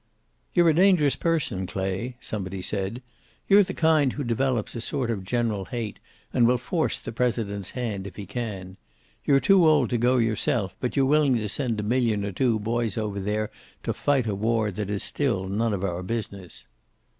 "You're a dangerous person, Clay," somebody said. "You're the kind who develops a sort of general hate, and will force the President's hand if he can. You're too old to go yourself, but you're willing to send a million or two boys over there to fight a war that is still none of our business."